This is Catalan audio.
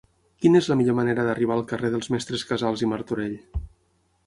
Quina és la millor manera d'arribar al carrer dels Mestres Casals i Martorell?